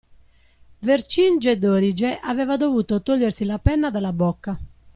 Vercingetorige aveva dovuto togliersi la penna dalla bocca.